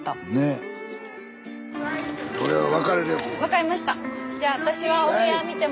分かりました。